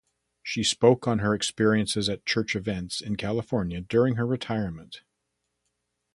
She spoke on her experiences at church events in California during her retirement.